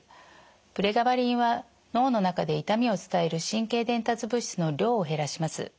プレガバリンは脳の中で痛みを伝える神経伝達物質の量を減らします。